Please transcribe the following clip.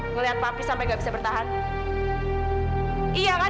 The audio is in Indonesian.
ngelihat papi sampai gak bisa bertahan